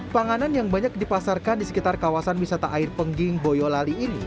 panganan yang banyak dipasarkan di sekitar kawasan wisata air pengging boyolali ini